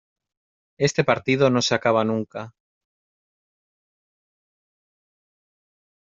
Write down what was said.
Este partido no se acaba nunca.